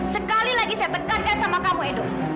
sekali lagi saya tekankan sama kamu edo